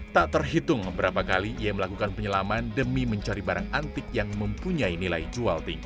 tak terhitung beberapa kali ia melakukan penyelaman demi mencari barang antik yang mempunyai nilai jual tinggi